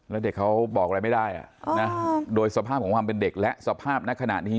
แล้วเด็กเขาบอกอะไรไม่ได้โดยสภาพของความเป็นเด็กและสภาพณขณะนี้